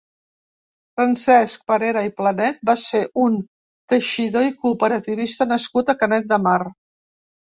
Francesc Parera i Planet va ser un teixidor i cooperativista nascut a Canet de Mar.